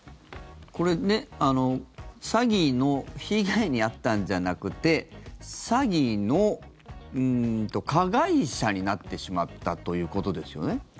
これ、詐欺の被害に遭ったんじゃなくて詐欺の加害者になってしまったということですよね。